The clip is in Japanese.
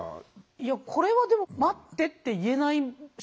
いやこれはでも「待って」って言えない自然現象ですよね。